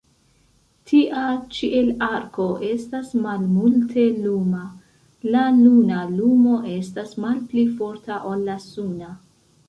Tia ĉielarko estas malmulte luma, la luna lumo estas malpli forta ol la suna.